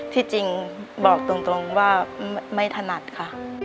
ที่จริงบอกตรงว่าไม่ถนัดค่ะ